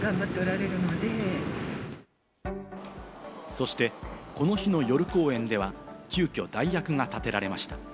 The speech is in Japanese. そして、この日の夜公演では急きょ代役が立てられました。